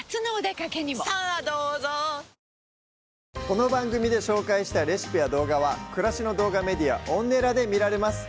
この番組で紹介したレシピや動画は暮らしの動画メディアＯｎｎｅｌａで見られます